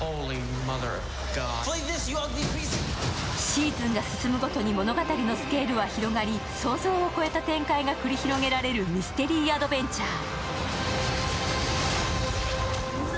シーズンが進むごとに物語のスケールは広がり想像を超えた展開が繰り広げられるミステリーアドベンチャー。